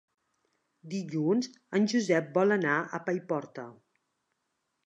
Dilluns en Josep vol anar a Paiporta.